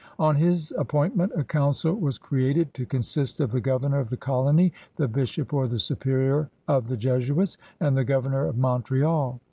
On his appointment a council was created, to consist of the governor of the colony, the bishop or the superior of the Jesuits, and the governor of Montreal.